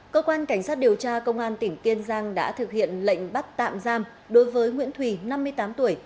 cơ quan cảnh sát điều tra công an tỉnh kiên giang đã thực hiện lệnh bắt tạm giam đối với nguyễn thùy năm mươi tám tuổi